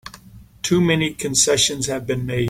Too many concessions have been made!